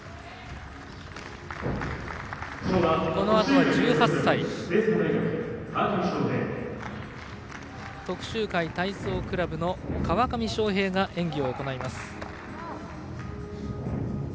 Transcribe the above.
このあとは１８歳、徳洲会体操クラブの川上翔平が演技を行います。